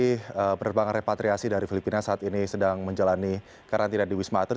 dan terima kasih atas kepatriasi dari filipina saat ini sedang menjalani karantina di wismater